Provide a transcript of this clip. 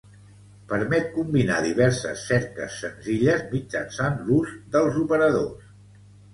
Permet combinar diverses cerques senzilles mitjançant l'ús dels operadors.